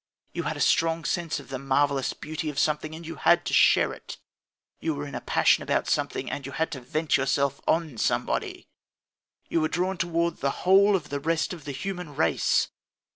You had a strong sense of the marvellous beauty of something, and you had to share it. You were in a passion about something, and you had to vent yourself on somebody. You were drawn towards the whole of the rest of the human race.